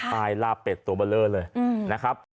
ลายลาบเป็ดตัวเบอร์เลอร์เลยนะครับ